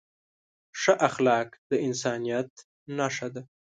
ښه اخلاق د انسانیت نښه ده.